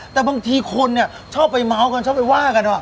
แต่บางทีคนชอบไปเมาส์กันชอบไปว่ากัน